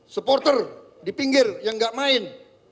supporter di pinggir yang nggak main